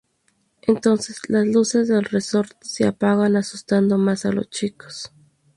Entonces, las luces del resort se apagan, asustando más a los chicos.